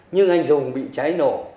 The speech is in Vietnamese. nhưng anh dùng bị cháy nổ